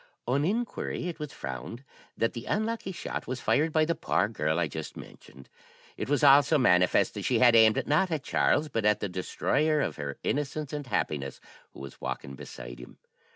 "On inquiry, it was found that the unlucky shot was fired by the poor girl I just mentioned. It was also manifest that she had aimed, not at Charles, but at the destroyer of her innocence and happiness, who was walking beside him.